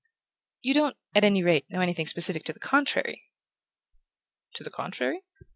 "You don't, at any rate, know anything specific to the contrary?" "To the contrary?